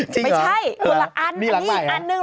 จริงเหรอมีหลังใหม่เหรอไม่ใช่อันนี้อันนึง